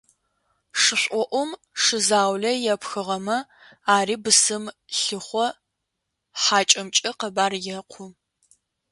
Шышӏоӏум шы заулэ епхыгъэмэ, ари бысым лъыхъо хьакӏэмкӏэ къэбар екъу.